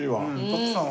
徳さん